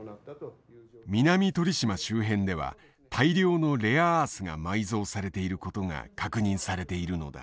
南鳥島周辺では大量のレアアースが埋蔵されていることが確認されているのだ。